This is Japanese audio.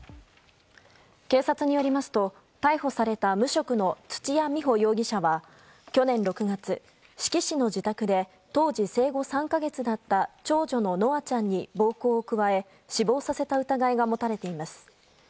警察によりますと、逮捕された無職の土屋美保容疑者は去年６月、志木市の自宅で当時生後３か月だった長女の夢空ちゃんに暴行を加え死亡させた疑いが持たれています。